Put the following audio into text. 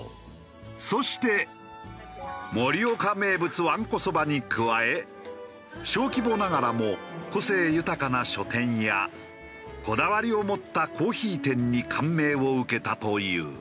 そして盛岡名物わんこそばに加え小規模ながらも個性豊かな書店やこだわりを持ったコーヒー店に感銘を受けたという。